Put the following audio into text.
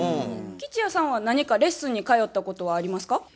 吉弥さんは何かレッスンに通ったことはありますか？